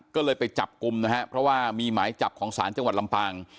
ก็เลยไปจับกลุ่มนะฮะเพราะว่ามีหมายจับของศาลจังหวัดลำปาง